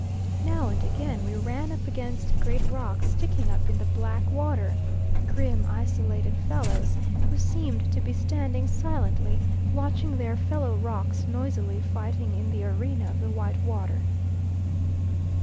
Now and again we ran up against great rocks sticking up in the black water grim, isolated fellows, who seemed to be standing silently watching their fellow rocks noisily fighting in the arena of the white water.